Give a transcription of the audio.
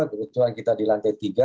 kebetulan kita di lantai tiga